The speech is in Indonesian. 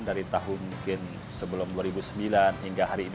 dari tahun mungkin sebelum dua ribu sembilan hingga hari ini dua ribu delapan belas